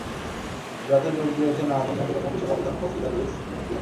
যাতে যোগ দিয়েছেন আর্জেন্টিনাকে প্রথম বিশ্বকাপ জেতানো কোচ সিজার লুইস মেনোত্তিও।